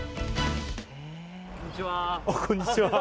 こんにちは。